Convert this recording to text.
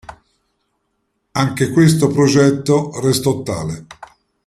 Anche questo progetto restò tale.